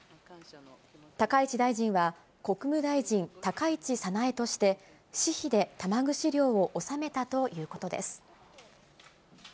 高市大臣は、国務大臣・高市早苗として、私費で玉串料を納めたということです。